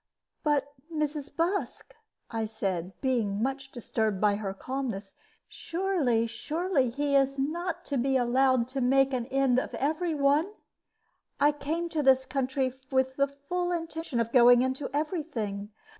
"But, Mrs. Busk," I said, being much disturbed by her calmness, "surely, surely he is not to be allowed to make an end of every one! I came to this country with the full intention of going into every thing.